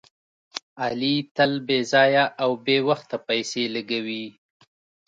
علي تل بې ځایه او بې وخته پیسې لګوي.